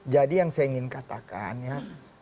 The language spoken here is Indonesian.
jadi yang saya ingin katakan ya